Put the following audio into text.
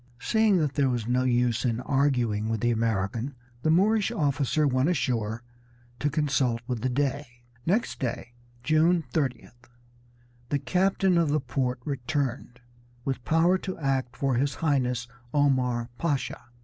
Seeing that there was no use in arguing with the American the Moorish officer went ashore to consult with the Dey. Next day, June 30th, the captain of the port returned, with power to act for his Highness Omar Pasha.